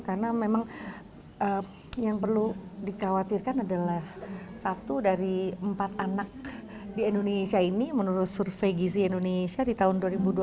karena memang yang perlu dikhawatirkan adalah satu dari empat anak di indonesia ini menurut survei gizi indonesia di tahun dua ribu dua puluh satu